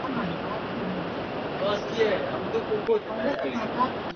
Ronnie aliifahamu zaidi mtindo wangu.